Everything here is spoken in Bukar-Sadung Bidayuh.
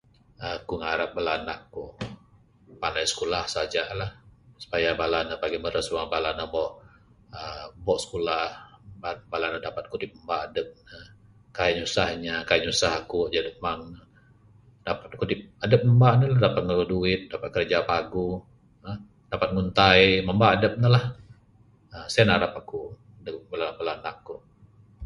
Aku ngarap bala anak ku pandai sikulah saja lah. Supaya bala ne pagi meres wang bala ne ubo, aaa, ubo sikulah. Bala ne dapat kudip mamba adep ne. Kaik nyusah inya, kaik nyusah aku da amang ne, dapat kudip adep mamba ne lah. Dapat magau duit, dapat magau kerja paguh. Ha, dapat nguntai mamba adep ne lah. Ha, sien narap aku ndug bala bala anak ku.